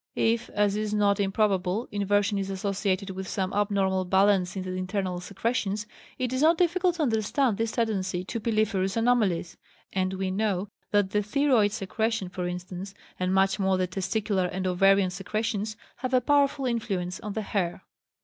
If, as is not improbable, inversion is associated with some abnormal balance in the internal secretions, it is not difficult to understand this tendency to piliferous anomalies; and we know that the thyroid secretion, for instance, and much more the testicular and ovarian secretions, have a powerful influence on the hair.